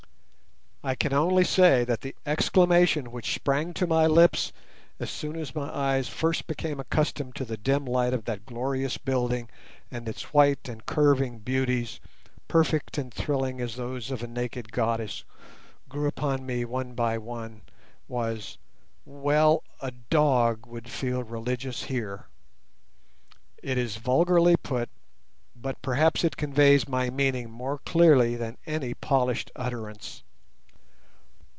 I can only say that the exclamation which sprang to my lips as soon as my eyes first became accustomed to the dim light of that glorious building, and its white and curving beauties, perfect and thrilling as those of a naked goddess, grew upon me one by one, was, "Well! a dog would feel religious here." It is vulgarly put, but perhaps it conveys my meaning more clearly than any polished utterance.